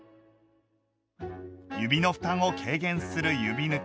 指の負担を軽減する指ぬき。